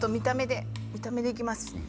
見た目でいきます。